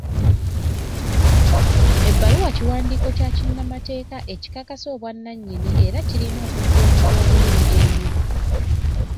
Ebbaluwa kiwandiiko kya kinnamateeka ekikakasa obwanannyini era kirina okukuumibwa obulungi ennyo.